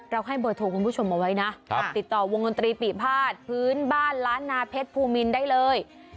ให้เบอร์โทรคุณผู้ชมเอาไว้นะติดต่อวงดนตรีปีภาษพื้นบ้านล้านนาเพชรภูมินได้เลย